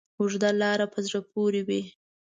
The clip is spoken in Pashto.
اوږده لاره په زړه پورې وي.